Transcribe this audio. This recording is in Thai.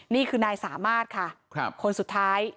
นี่คือนายสามารถค่ะครับ